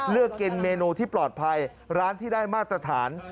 เลือกกินเมนูที่ปลอดภัยร้านที่ได้มาตรฐาน